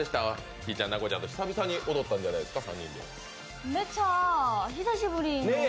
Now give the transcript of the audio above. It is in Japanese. ひぃちゃん奈子ちゃんと久々に踊ったんじゃないですか？